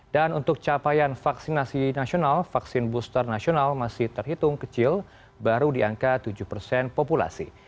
dan untuk capaian vaksinasi nasional vaksin booster nasional masih terhitung kecil baru di angka tujuh persen populasi